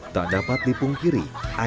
tak dapat dipungkiri